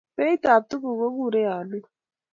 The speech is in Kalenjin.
Beit ab tuguk kokurei alik